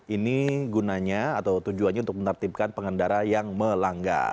ini gunanya atau tujuannya untuk menertibkan pengendara yang melanggar